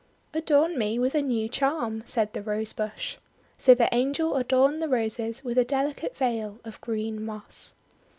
"Adorn me with a new charm," said the Rose Bush. So the Angel adorned the Roses with a delicate veil of green moss.